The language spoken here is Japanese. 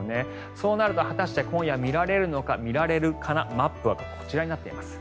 そうなると果たして今夜見られるのか見られるかなマップはこちらになっています。